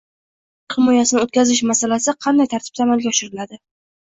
dissertatsiyalar himoyasini o‘tkazish masalasi qanday tartibda amalga oshiriladi?